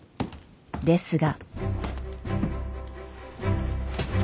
ですが。